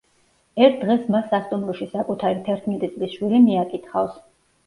ერთ დღეს მას სასტუმროში საკუთარი თერთმეტი წლის შვილი მიაკითხავს.